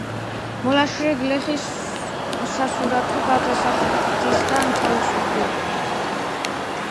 მოლაშქრე გლეხი სასურსათო გადასახადისაგან თავისუფლდებოდა.